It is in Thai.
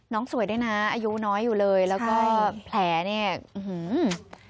สวยด้วยนะอายุน้อยอยู่เลยแล้วก็แผลเนี่ยอื้อหือ